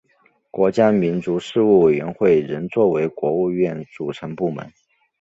国家民族事务委员会仍作为国务院组成部门。